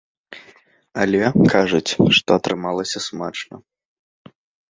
Але, кажуць, што атрымалася смачна.